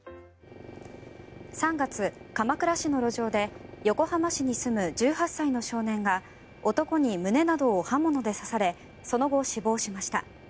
３月、鎌倉市の路上で横浜市に住む１８歳の少年が男に胸などを刃物で刺されその後、死亡しました。